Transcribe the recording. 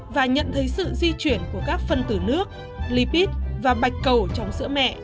và nhận thấy sự di chuyển của các phân tử nước lipid và bạch cầu trong sữa mẹ